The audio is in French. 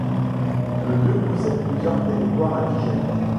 Le lieu possède plusieurs territoires indigènes.